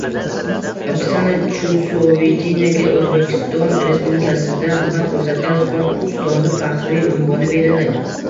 Oksana Chusovitinaga “O‘zbekiston Respublikasida xizmat ko‘rsatgan sport ustozi” faxriy unvoni berildi